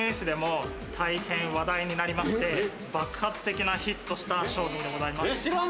ＳＮＳでも大変話題になりまして、爆発的なヒットをした商品でございます。